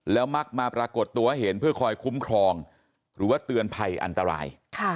แล้วมักมาปรากฏตัวให้เห็นเพื่อคอยคุ้มครองหรือว่าเตือนภัยอันตราย